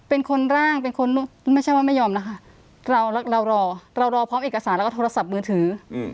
เป็นคนร่างเป็นคนไม่ใช่ว่าไม่ยอมนะคะเรารอเรารอพร้อมเอกสารแล้วก็โทรศัพท์มือถือ